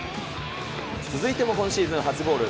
続いても今シーズン初ゴール。